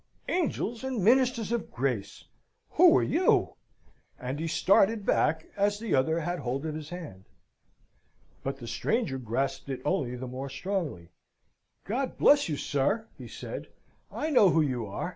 Angels and ministers of grace! who are you?" And he started back as the other had hold of his hand. But the stranger grasped it only the more strongly. "God bless you, sir!" he said, "I know who you are.